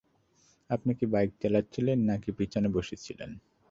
আপনি কি বাইক চালাচ্ছিলেন নাকি পিছনে বসে ছিলেন?